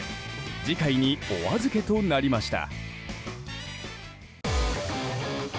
次回にお預けとなりました。